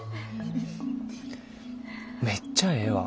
めっちゃええわ。